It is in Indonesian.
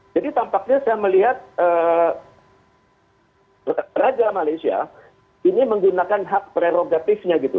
jadi tampaknya saya melihat raja malaysia ini menggunakan hak prerogatifnya gitu